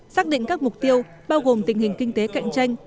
xác định các mục tiêu bao gồm tình hình kinh tế cạnh tranh